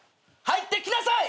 入ってきなさい！